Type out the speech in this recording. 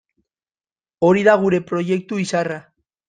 Hori da gure proiektu izarra.